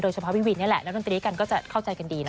โดยเฉพาะพี่วินเนี่ยแหละแล้วตัวนี้กันก็จะเข้าใจกันดีเนอะ